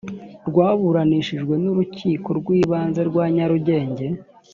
rwaburanishijwe n urukiko rw ibanze rwa nyarugenge